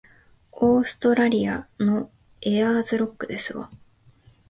オーストラリアのエアーズロックですわ